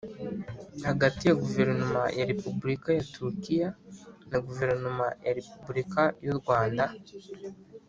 hagati ya Guverinoma ya Repubulika ya Turikiya na Guverinoma ya Repubulika y u Rwanda